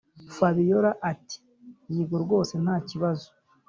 fabiora ati”yego rwose ntakibazo”